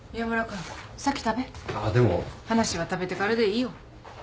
話は食べてからでいいよ。